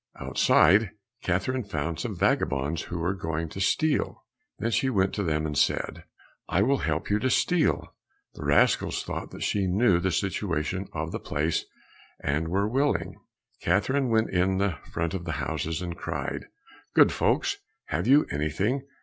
Outside Catherine found some vagabonds who were going to steal. Then she went to them and said, "I will help you to steal." The rascals thought that she knew the situation of the place, and were willing. Catherine went in front of the houses, and cried, "Good folks, have you anything?